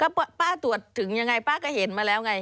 แล้วป้าตรวจถึงยังไงป้าก็เห็นมาแล้วไง